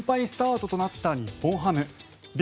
スタートとなった日本ハム。